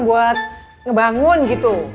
buat ngebangun gitu